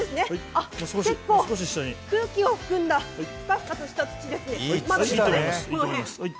あっ、結構空気を含んだ、ふかふかとした土ですね。